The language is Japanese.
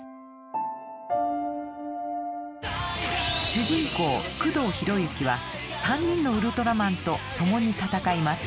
主人公工藤ヒロユキは３人のウルトラマンと共に戦います。